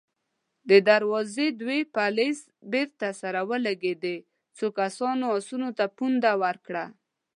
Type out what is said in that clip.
د دروازې دوې پلې بېرته سره ولګېدې، څو کسانو آسونو ته پونده ورکړه.